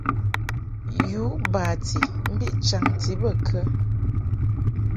U bati mbiʼ chanti bə kə ?